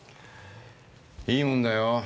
いいもんだよ。